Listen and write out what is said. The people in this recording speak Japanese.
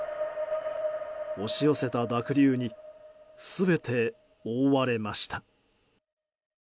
押し寄せた濁流に全て覆われました。